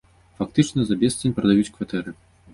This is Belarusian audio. Фактычна за бесцань прадаюць кватэры.